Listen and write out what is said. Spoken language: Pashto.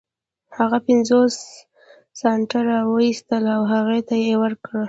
هغه پنځوس سنټه را و ايستل او هغې ته يې ورکړل.